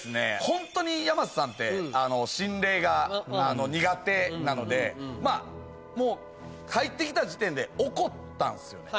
ホントに山瀬さんって心霊が苦手なのでもう入ってきた時点で怒ったんすよね。